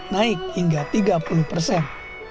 naik hingga tiga puluh persen